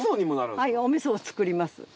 はいお味噌を作ります。